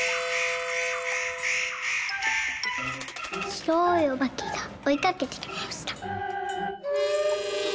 「しろいおばけがおいかけてきました」。